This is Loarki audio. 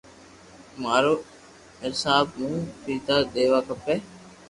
ماري حيساب مون پيئا ديوا کپي